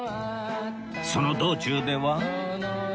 その道中では